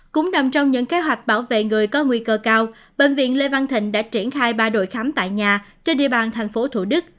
cũng nằm trong những kế hoạch bảo vệ người có nguy cơ cao bệnh viện lê văn thịnh đã triển khai ba đội khám tại nhà trên địa bàn thành phố thủ đức